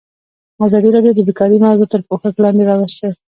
ازادي راډیو د بیکاري موضوع تر پوښښ لاندې راوستې.